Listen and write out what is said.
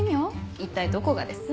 一体どこがです？